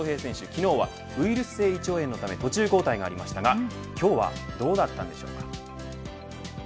昨日はウイルス性胃腸炎のため途中交代がありましたが今日はどうだったのでしょうか。